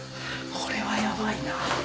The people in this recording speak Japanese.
これはやばいな。